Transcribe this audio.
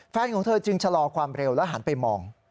ของเธอจึงชะลอความเร็วแล้วหันไปมอง